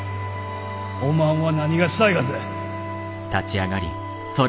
おまんは何がしたいがぜ？